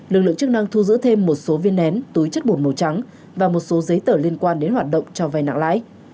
lực lượng chức năng thu giữ thêm một số viên nén túi chất bột màu trắng và một số giấy tờ liên quan đến hoạt động cho vay nặng lãi